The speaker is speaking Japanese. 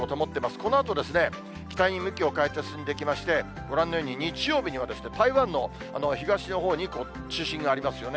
このあと、北に向きを変えて進んでいきまして、ご覧のように日曜日には台湾の東のほうに中心がありますよね。